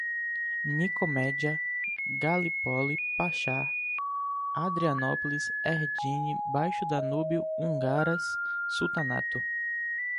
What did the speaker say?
Nicomédia, Galípoli, Paxá, Adrianópolis, Edirne, Baixo Danúbio, húngaras, sultanato